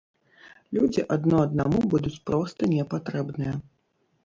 Людзі адно аднаму будуць проста не патрэбныя.